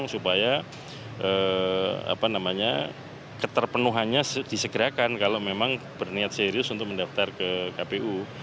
supaya keterpenuhannya disegerakan kalau memang berniat serius untuk mendaftar ke kpu